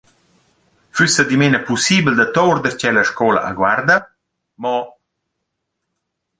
Füssa dimena pussibel da tour darcheu la scoula a Guarda? «Mo…?